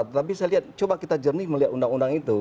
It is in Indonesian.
tetapi saya lihat coba kita jernih melihat undang undang itu